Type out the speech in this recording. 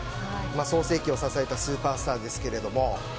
創生期を支えたスーパースターですが。